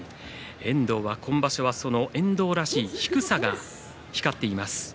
先場所、今場所は遠藤らしい低さが光っています。